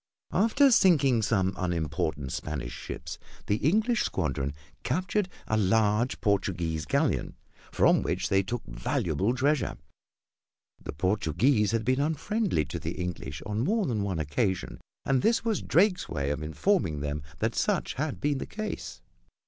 After sinking some unimportant Spanish ships, the English squadron captured a large Portuguese galleon, from which they took a valuable treasure. The Portuguese had been unfriendly to the English on more than one occasion, and this was Drake's way of informing them that such had been the case.